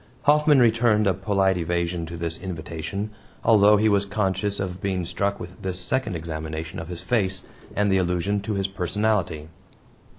Hoffman returned a polite evasion to this invitation, although he was conscious of being struck with this second examination of his face, and the allusion to his personality.